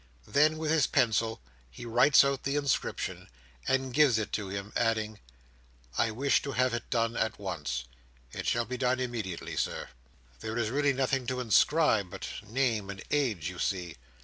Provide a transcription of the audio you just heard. Then, with his pencil, he writes out the inscription, and gives it to him: adding, "I wish to have it done at once. "It shall be done immediately, Sir." "There is really nothing to inscribe but name and age, you see."